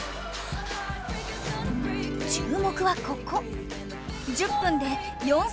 注目はここ